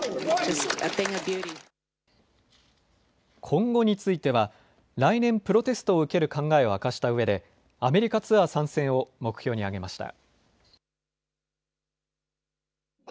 今後については来年、プロテストを受ける考えを明かしたうえでアメリカツアー参戦を目標に挙げました。